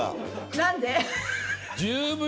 何で？